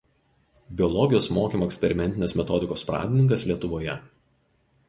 Biologijos mokymo eksperimentinės metodikos pradininkas Lietuvoje.